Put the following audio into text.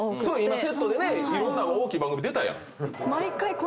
今セットでねいろんな大きい番組出たやん。